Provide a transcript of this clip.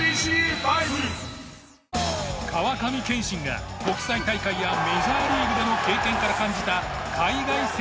川上憲伸が国際大会やメジャーリーグでの経験から感じた